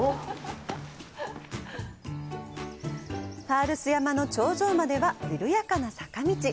ファールス山の頂上までは緩やかな坂道。